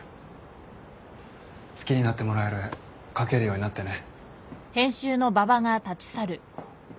好きになってもらえる絵描けるようになってね。